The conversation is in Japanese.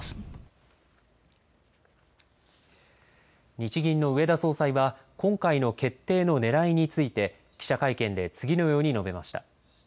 日銀の植田総裁は、今回の決定のねらいについて、記者会見で次のように述べました。